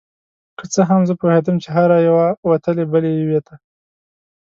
که څه هم زه پوهیدم چې هره یوه وتلې بلې یوې ته